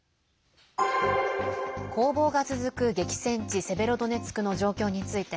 攻防が続く激戦地セベロドネツクの状況について